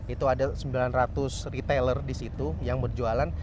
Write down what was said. itu ada sembilan ratus retailer di situ yang berjualan